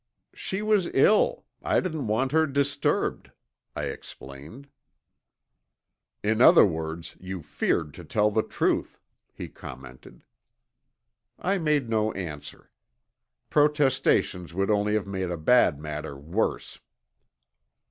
"She was ill. I didn't want her disturbed," I explained. "In other words, you feared to tell the truth," he commented. I made no answer. Protestations would only have made a bad matter worse.